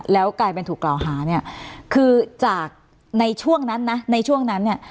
แล้วกลายเป็นถูกกล่าวหาเนี่ยคือจากในช่วงนั้นนะในช่วงนั้นเนี่ย